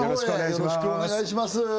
よろしくお願いします